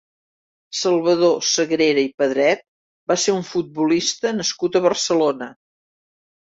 Salvador Sagrera i Pedret va ser un futbolista nascut a Barcelona.